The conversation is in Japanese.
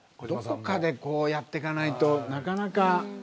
どこかでやってかないとなかなか。